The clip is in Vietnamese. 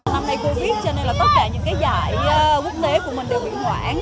năm nay covid cho nên là tất cả những cái giải quốc tế của mình đều bị hoãn